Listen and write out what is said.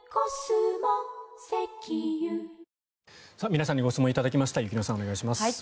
皆さんにご質問頂きました雪乃さん、お願いします。